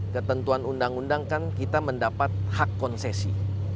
ketentuan undang undang kan kita mendapat hak konsesi